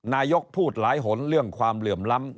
นายกพูดหลายหนเรื่องความเหลื่อมล้ำ